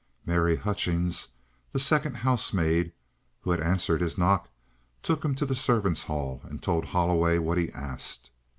Mary Hutchings, the second housemaid, who had answered his knock, took him to the servants' hall, and told Holloway what he asked.